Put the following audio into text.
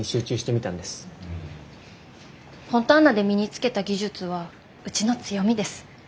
フォンターナで身につけた技術はうちの強みです。